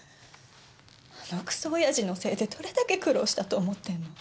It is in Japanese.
あのクソ親父のせいでどれだけ苦労したと思ってんの？